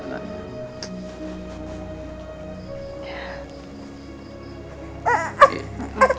maafilah aku fit